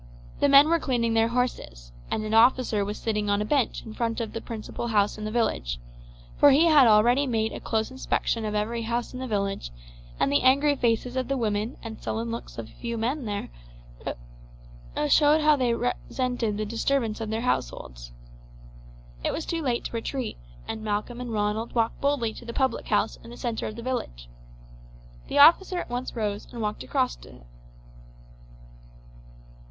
The men were cleaning their horses, and an officer was sitting on a bench in front of the principal house in the village; for he had already made a close inspection of every house in the village, and the angry faces of the women and the sullen looks of a few men there were about showed how they resented the disturbance of their households. It was too late to retreat, and Malcolm and Ronald walked boldly to the public house in the centre of the village. The officer at once rose and walked across to him.